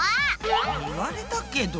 言われたけど。